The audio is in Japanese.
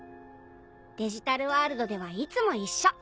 デジタルワールドではいつも一緒。